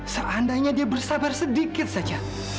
seandainya dia bersabar sedikit saja